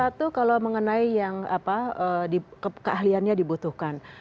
satu kalau mengenai yang keahliannya dibutuhkan